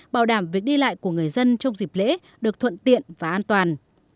bảo đảm việc đi lại của người dân trong dịp lễ được thuận tiện và an toàn